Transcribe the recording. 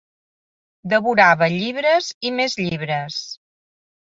Devorava llibres i més llibres.